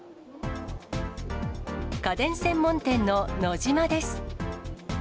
家電専門店のノジマです。